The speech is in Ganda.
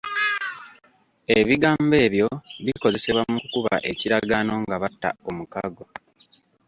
Ebigambo ebyo bikozesebwa mu kukuba ekiragaano nga batta omukago.